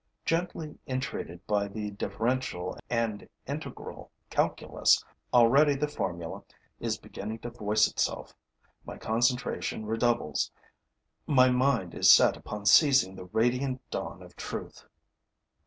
Gently entreated by the differential and integral calculus, already the formula is beginning to voice itself. My concentration redoubles, my mind is set upon seizing the radiant dawn of truth.